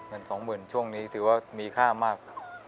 เงิน๒๐๐๐ช่วงนี้ถือว่ามีค่ามาก